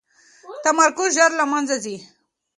تمرکز ژر له منځه ځي.